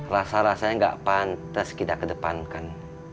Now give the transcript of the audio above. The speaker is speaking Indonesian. rasa rasanya gak pantas kita kedepankan